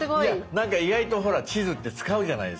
なんか意外とほら地図って使うじゃないですか。